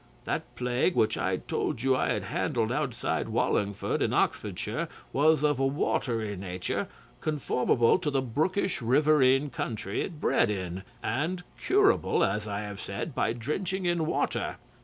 That plague which I told you I had handled outside Wallingford in Oxfordshire was of a watery nature, conformable to the brookish riverine country it bred in, and curable, as I have said, by drenching in water.